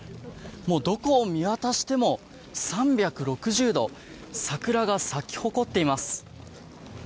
どこを見渡しても３６０度桜が咲き誇っています。